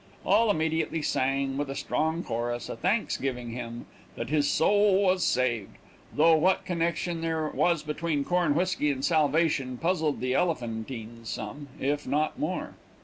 All immediately sang, with a strong chorus, a thanksgiving hymn, that his soul was saved; though what connection there was between corn whisky and salvation puzzled the Elephantines some, if not more.